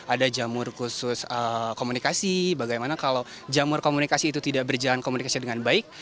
ada jamur khusus komunikasi bagaimana kalau jamur komunikasi itu tidak berjalan komunikasi dengan baik